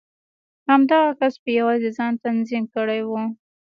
همدغه کس په يوازې ځان تنظيم کړی و.